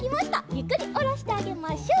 ゆっくりおろしてあげましょう。